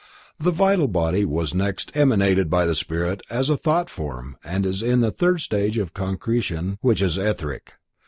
The vital body was next emanated by the spirit as a thought form and is in the third stage of concretion which is etheric.